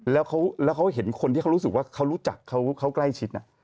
แล้วเขาเห็นคนที่เขารู้สึกว่าเขารู้จักเขาใกล้ชิด